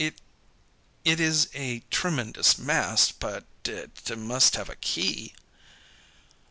It is a tremendous mass, but it must have a key."